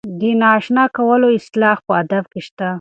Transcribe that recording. د نااشنا کولو اصطلاح په ادب کې شته.